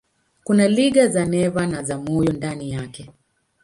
Kuna liga za neva na za moyo ndani yake.